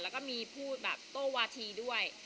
แล้วก็มีพูดแบบโต้วาธีด้วย